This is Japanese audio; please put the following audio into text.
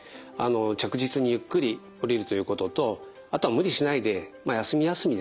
着実にゆっくり下りるということとあとは無理しないで休み休みですね